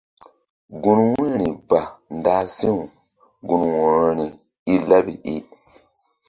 Gun wu̧yri ba ndah si̧w gun wo̧rori i laɓi i.